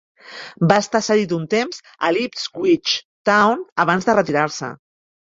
Va estar cedit un temps a l'Ipswich Town abans de retirar-se.